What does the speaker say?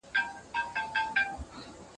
د شپې ویښ په ورځ ویده نه په کارېږي